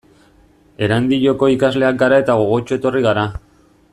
Erandioko ikasleak gara eta gogotsu etorri gara.